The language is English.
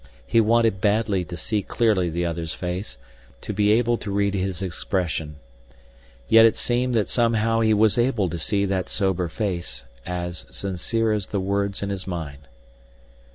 He wanted badly to see clearly the other's face, to be able to read his expression. Yet it seemed that somehow he was able to see that sober face, as sincere as the words in his mind.